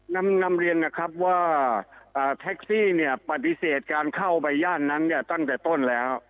นำเรียนนะครับว่าแท็กซี่เนี่ยปฏิเสธการเข้าไปย่านนั้นเนี่ยตั้งแต่ต้นแล้ว